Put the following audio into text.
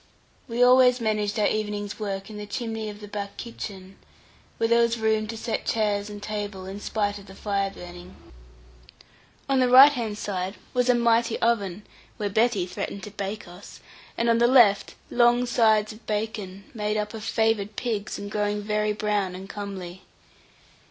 We always managed our evening's work in the chimney of the back kitchen, where there was room to set chairs and table, in spite of the fire burning. On the right hand side was a mighty oven, where Betty threatened to bake us; and on the left, long sides of bacon, made of favoured pigs, and growing very brown and comely.